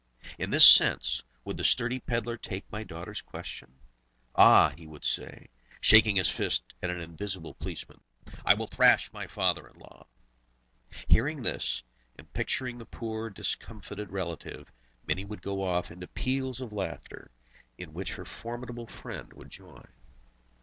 In this sense would the sturdy pedlar take my daughter's question. "Ah," he would say, shaking his fist at an invisible policeman, "I will thrash my father in law!" Hearing this, and picturing the poor discomfited relative, Mini would go off into peals of laughter, in which her formidable friend would join.